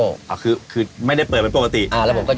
อ่ะรับผุ่นเร็วไปอก่อน